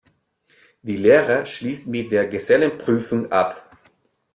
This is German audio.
Die Lehre schließt mit der Gesellenprüfung ab.